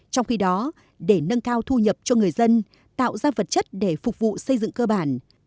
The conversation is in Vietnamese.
trong khi đó để nâng cao thu nhập cho người dân tạo ra vật chất để phục vụ xây dựng cơ bản